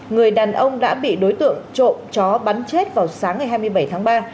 người đàn ông đã bị đối tượng trộm chó bắn chết vào sáng ngày hai mươi bảy tháng ba